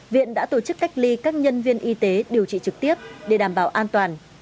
viện đã tổ chức cách ly các nhân viên y tế điều trị trực tiếp để đảm bảo an toàn